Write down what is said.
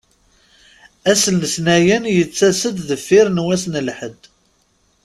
Ass n letnayen yettas-d deffir n wass n lḥedd.